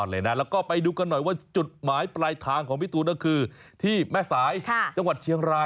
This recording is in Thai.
แล้วก็ไปดูกันหน่อยว่าจุดหมายปลายทางของพี่ตูนก็คือที่แม่สายจังหวัดเชียงราย